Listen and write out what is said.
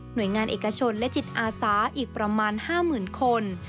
หน่วยงานเอกชนและจิตอาสาอีกประมาณห้าหมื่นคน